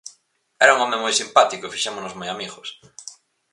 Era un home moi simpático e fixémonos moi amigos.